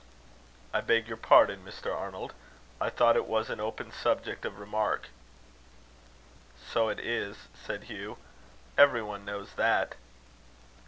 "I beg your pardon, Mr. Arnold. I thought it was an open subject of remark." "So it is," said Hugh; "every one knows that."